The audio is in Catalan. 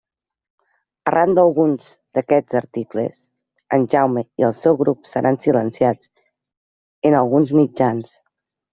Arran d'alguns d'aquests articles, en Jaume i el seu grup seran silenciats en alguns mitjans.